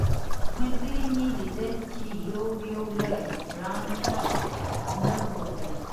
ملګري مې لیدل چې یو یو له رسټورانټ نه ووتل.